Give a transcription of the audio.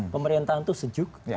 pemerintahan itu sejuk